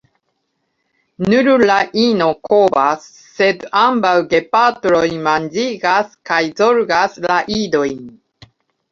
Nur la ino kovas, sed ambaŭ gepatroj manĝigas kaj zorgas la idojn.